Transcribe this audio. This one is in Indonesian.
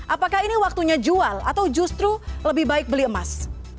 apakah ini waktunya jual atau justru lebih baik beli emas